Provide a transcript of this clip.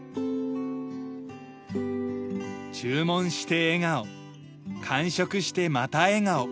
注文して笑顔完食してまた笑顔。